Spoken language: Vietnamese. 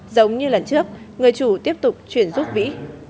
giống như lần trước người chủ tiếp tục chuyển giúp vĩ